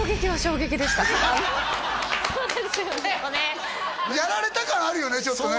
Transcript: そうですよねやられた感あるよねちょっとね